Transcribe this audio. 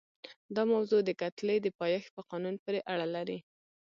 دا موضوع د کتلې د پایښت په قانون پورې اړه لري.